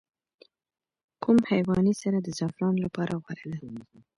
کوم حیواني سره د زعفرانو لپاره غوره ده؟